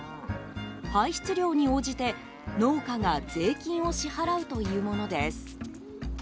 排出量に応じて農家が税金を支払うというものです。